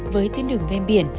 với tuyến đường ven biển